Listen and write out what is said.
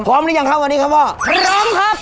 หรือยังครับวันนี้ครับพ่อพร้อมครับ